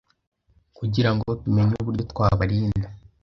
kugira ngo tumenye uburyo twabarinda